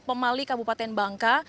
pemali kabupaten bangka